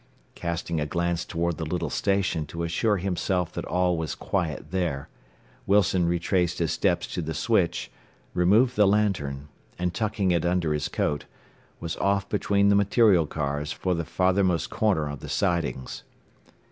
Casting a glance toward the little station to assure himself that all was quiet there, Wilson retraced his steps to the switch, removed the lantern, and tucking it under his coat, was off between the material cars for the farthermost corner of the sidings.